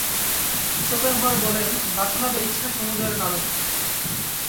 Schopenhauer বলেন, বাসনা বা ইচ্ছা সমুদয়ের কারণ।